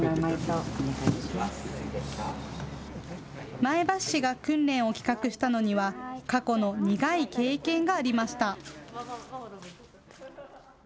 前橋市が訓練を企画したのには過去の苦い経験がありました。